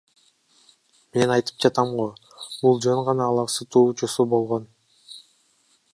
Мен айтып жатам го, бул жөн гана алаксытуу чуусу болгон.